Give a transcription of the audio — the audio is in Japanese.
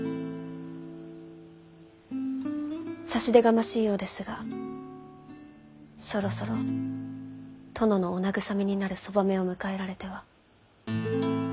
差し出がましいようですがそろそろ殿のお慰めになる側女を迎えられては？